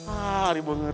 nah hari banget